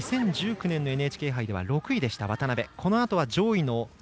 ２０１９年のＮＨＫ杯では６位でした渡部。